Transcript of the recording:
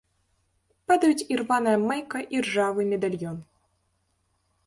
Падаюць ірваная майка і ржавы медальён.